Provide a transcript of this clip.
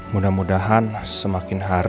mudah mudahan semakin hampir